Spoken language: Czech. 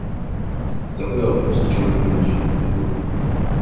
Zaujal post člena finančního výboru.